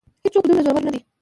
هېڅ څوک دومره زورور نه دی.